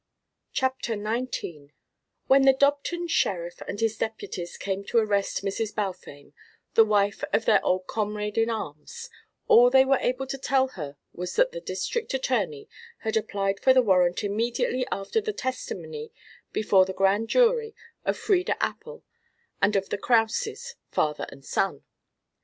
CHAPTER XIX When the Dobton sheriff and his deputies came to arrest Mrs. Balfame, the wife of their old comrade in arms, all they were able to tell her was that the District Attorney had applied for the warrant immediately after the testimony before the Grand Jury of Frieda Appel and of the Krauses, father and son.